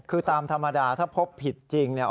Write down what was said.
คือตามธรรมดาถ้าพบผิดจริง